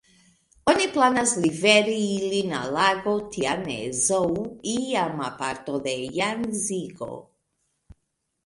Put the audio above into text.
Oni planas liveri ilin al lago Tian-e-Zhou, iama parto de Jangzio.